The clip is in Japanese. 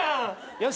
よし。